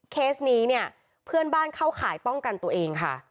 เคสนี้เนี่ยเพื่อนบ้านเข้าข่ายป้องกันตัวเองค่ะ